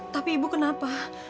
tapi ibu kenapa